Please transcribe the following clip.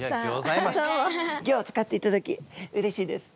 ギョを使っていただきうれしいです。